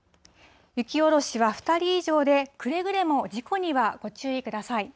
雪下ろしは２人以上で、くれぐれも事故にはご注意ください。